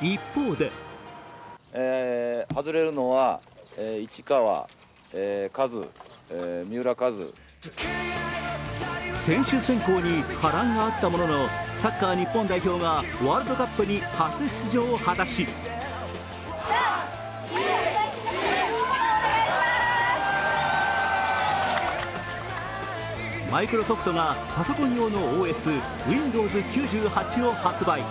一方で選手選考に波乱があったものの、サッカー日本代表がワールドカップに初出場を果たしマイクロソフトがパソコン用ＯＳ、ウィンドウズ９８を発売。